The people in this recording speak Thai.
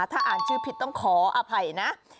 ถ้าอ่านชื่อผิดต้องขออภัยนะ